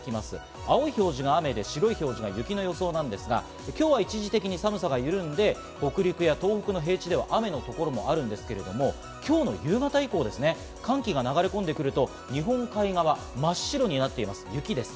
青い表示が雨で白い表示が雪の予想なんですが、今日は一時的に寒さが緩んで、北陸や東北の平地では、雨の所もあるんですけど、今日の夕方以降、寒気が流れ込んでくると。